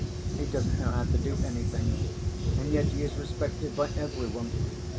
He doesn't know how to do anything, and yet he is respected by every one.